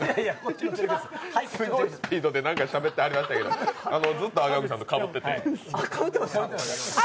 ハイスピードで何かしゃべってましたけど、ずっと赤荻さんとかぶってて。